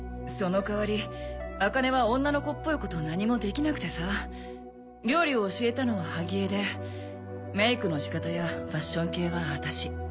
その代わり朱音は女の子っぽいこと何もできなくてさ料理を教えたのは萩江でメイクの仕方やファッション系は私。